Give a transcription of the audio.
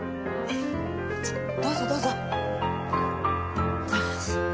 どうぞどうぞ。